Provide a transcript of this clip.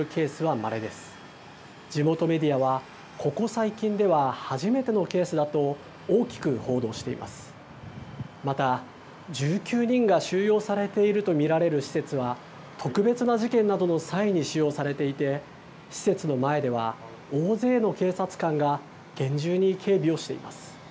また１９人が収容されていると見られる施設は、特別な事件などの際に使用されていて、施設の前では、大勢の警察官が厳重に警備をしています。